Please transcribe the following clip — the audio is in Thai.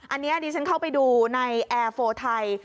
อันนี้ดิฉันเข้าไปดูในแอร์โฟไทย